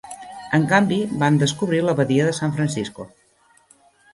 En canvi, van descobrir la Badia de San Francisco.